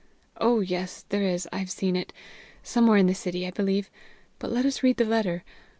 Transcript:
"Oh, yes, there is; I've seen it somewhere in the City, I believe. But let us read the letter.